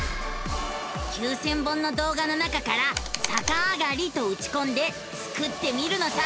９，０００本の動画の中から「さかあがり」とうちこんでスクってみるのさ！